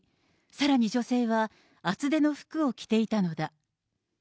さらに女性は厚手の服を着ていたのだ。